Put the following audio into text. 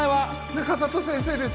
中里先生です